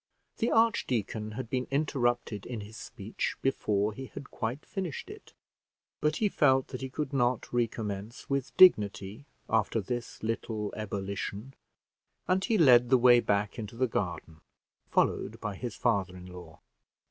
The archdeacon had been interrupted in his speech before he had quite finished it; but he felt that he could not recommence with dignity after this little ebullition, and he led the way back into the garden, followed by his father in law.